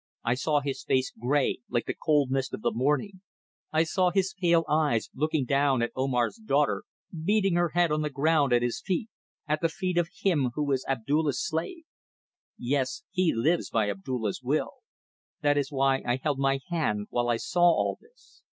I saw his face grey, like the cold mist of the morning; I saw his pale eyes looking down at Omar's daughter beating her head on the ground at his feet. At the feet of him who is Abdulla's slave. Yes, he lives by Abdulla's will. That is why I held my hand while I saw all this.